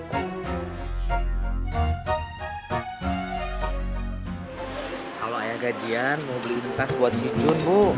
halo ayah gajian mau beli tas buat si jun bu